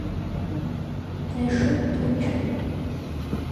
Դեհ, շուտ, թե չէ…